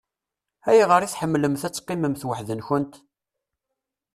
Ayɣer i tḥemmlemt ad teqqimemt weḥd-nkent?